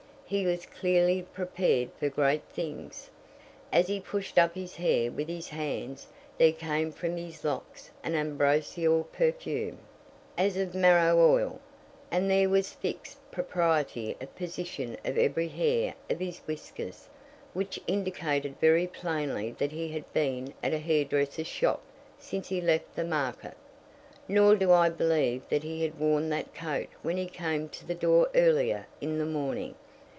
He was clearly prepared for great things. As he pushed up his hair with his hands there came from his locks an ambrosial perfume, as of marrow oil, and there was a fixed propriety of position of every hair of his whiskers, which indicated very plainly that he had been at a hairdresser's shop since he left the market. Nor do I believe that he had worn that coat when he came to the door earlier in the morning.